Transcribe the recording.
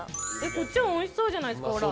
こっちもおいしそうじゃないですかほら。